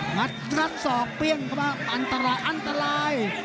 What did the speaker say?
ัดรัดศอกเปี้ยนเข้ามาอันตรายอันตราย